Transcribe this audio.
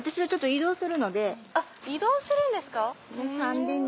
あっ移動するんですか。